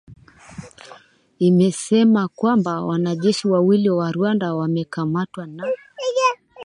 imesema kwamba wanajeshi wawili wa Rwanda wamekamatwa na